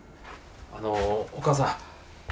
あのお母さん